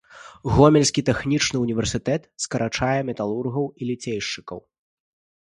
Гомельскі тэхнічны ўніверсітэт скарачае металургаў і ліцейшчыкаў.